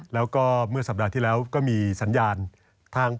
แล้วก็เมื่อสัปดาห์ที่แล้วก็มีสัญญาณทาง